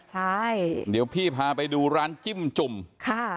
ใช่เดี๋ยวพี่พาไปดูร้านจิ้มจุ่มค่ะ